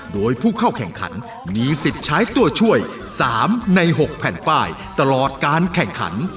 โดยผู้เข้าแข่งขันมีสิทธิ์ใช้ตัวช่วย๓ใน๖แผ่นป้ายตลอดการแข่งขัน